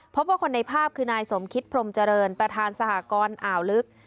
พบว่าคนในภาพคือนายสมคิตพรมเจริญประธานสหกรณ์อ่าวลึก